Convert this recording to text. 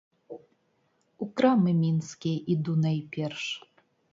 У крамы мінскія іду найперш.